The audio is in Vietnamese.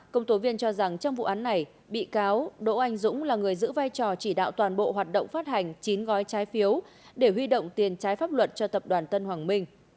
công tố viên cho rằng trong vụ án này bị cáo đỗ anh dũng là người giữ vai trò chỉ đạo toàn bộ hoạt động phát hành chín gói trái phiếu để huy động tiền trái pháp luật cho tập đoàn tân hoàng minh